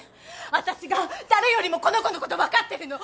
私が誰よりもこの子のこと分かってるの！